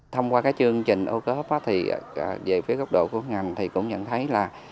thông qua cái chương trình ô cớp thì về phía góc độ của ngành thì cũng nhận thấy là